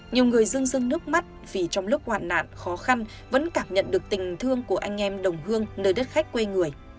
nhiều người dân rưng nước mắt vì trong lúc hoạn nạn khó khăn vẫn cảm nhận được tình thương của anh em đồng hương nơi đất khách quê người